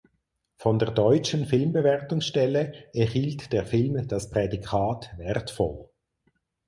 Von der Deutschen Filmbewertungsstelle erhielt der Film das Prädikat „wertvoll“.